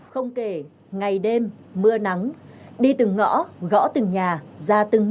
không kể ngày đêm mưa nắng đi từng ngõ gõ từng nhà ra từng